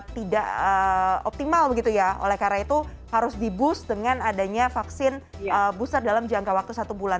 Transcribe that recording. tidak optimal begitu ya oleh karena itu harus di boost dengan adanya vaksin booster dalam jangka waktu satu bulan